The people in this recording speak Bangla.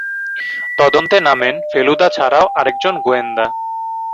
তদন্তে নামেন ফেলুদা ছাড়াও আরেকজন গোয়েন্দা।